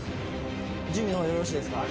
準備の方よろしいですか？